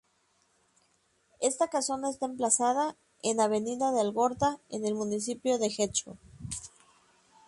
Esta casona está emplazada en Avenida de Algorta, en el municipio de Getxo.